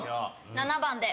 ７番で。